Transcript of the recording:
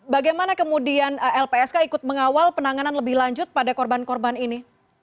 bagaimana kemudian lpsk ikut mengawal penanganan lebih lanjut pada korban korban ini